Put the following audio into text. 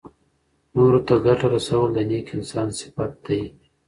نورو ته ګټه رسول د نېک انسان صفت دی.